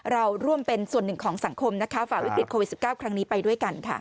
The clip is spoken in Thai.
เราร่วมเป็นส่วนหนึ่งของสังคมนะคะฝ่าวิกฤตโควิด๑๙ครั้งนี้ไปด้วยกันค่ะ